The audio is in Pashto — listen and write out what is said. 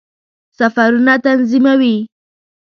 سفرونه تنظیموي.